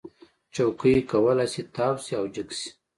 چوکۍ کولی شي تاو شي او جګ شي.